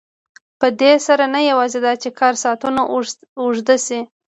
په دې سره نه یوازې دا چې کاري ساعتونه اوږده شي